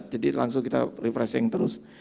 jadi langsung kita refreshing terus